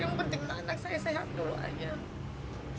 yang penting anak saya sehat dulu aja